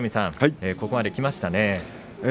ここまで、きましたね。